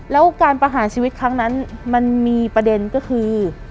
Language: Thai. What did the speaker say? แล้วการประหารชีวิตครั้งนั้นมันมีประเด็นก็คือ